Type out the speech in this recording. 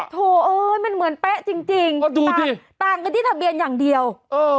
โถเอ้ยมันเหมือนเป๊ะจริงต่างกันที่ทะเบียนอย่างเดียวเออ